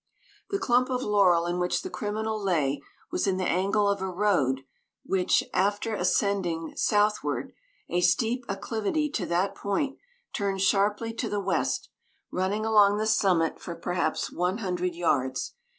The clump of laurel in which the criminal lay was in the angle of a road which, after, ascending, southward, a steep acclivity to that point, turned sharply to the west, running along the summit for perhaps one hundred yards.